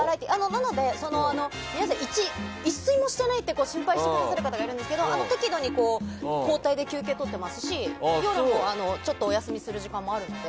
なので、皆さん一睡もしていないって心配してくださる方がいるんですけど適度に交代で休憩をとっていますし夜もお休みする時間もあるので。